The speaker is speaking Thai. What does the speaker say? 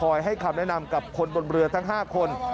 ให้คำแนะนำกับคนบนเรือทั้ง๕คน